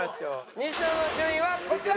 西野の順位はこちら！